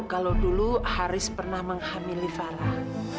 kalau dulu haris pernah menghamili farah